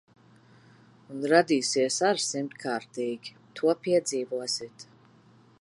Un radīsies ar simtkārtīgi. To piedzīvosit.